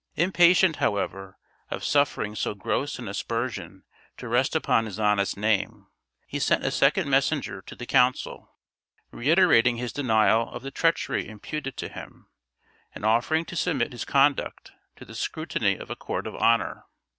Impatient, however, of suffering so gross an aspersion to rest upon his honest name, he sent a second messenger to the council, reiterating his denial of the treachery imputed to him, and offering to submit his conduct to the scrutiny of a court of honor.